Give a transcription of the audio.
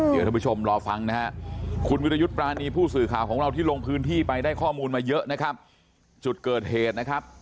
เดี๋ยวทุกผู้ชมรอบฟังนะครับสุดเกิดเหตุนะครับ